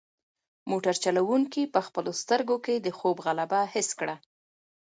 موټر چلونکی په خپلو سترګو کې د خوب غلبه حس کړه.